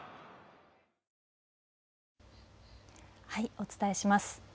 お伝えします。